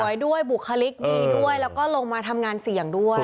ด้วยบุคลิกดีด้วยแล้วก็ลงมาทำงานเสี่ยงด้วย